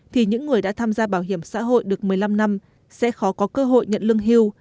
thì những người đã tham gia bảo hiểm xã hội được một mươi năm năm sẽ khó có cơ hội nhận lương hưu